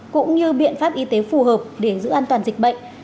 cũng như biện pháp y tế phù hợp để giữ an toàn dịch bệnh